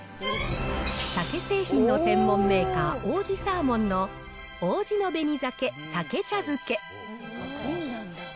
さけ製品の専門メーカー、王子サーモンの王子の紅鮭さけ茶漬け。